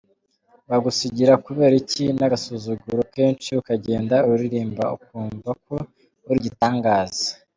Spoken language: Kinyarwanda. Bagusigira kubera iki n’agasuzuguro kenshi ukagenda uririmba ukumva ko uri igitangaza.